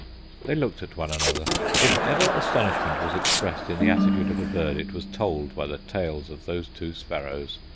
They looked at one another. If ever astonishment was expressed in the attitude of a bird it was told by the tails of those two sparrows.